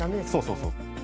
そうそう。